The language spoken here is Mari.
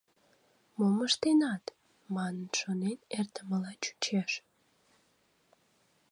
Мом ыштенат?» манын шонен эртымыла чучеш.